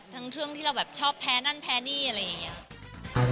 ทั้งเท่าที่เราแบบชอบแพ้นั้นแพ้นี่ยังไง